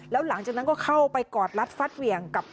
แล้วหลังจากนั้นก็เข้าไปกอดรัดฟัดเหวี่ยงกับ